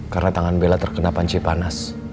karena tangan bella terkena panci panas